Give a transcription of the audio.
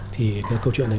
thì cái câu chuyện này